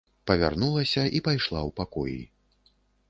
Павярнулася і пайшла ў пакоі.